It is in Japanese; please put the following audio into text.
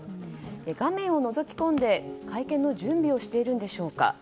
画面をのぞき込んで、会見の準備をしているんでしょうか。